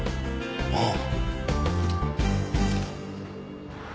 ああ。